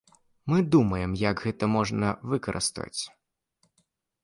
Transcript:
Мы думаем, як гэта можна выкарыстаць.